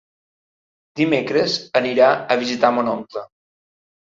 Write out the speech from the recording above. Dimecres anirà a visitar mon oncle.